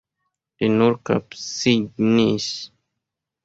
Li nur kapsignis.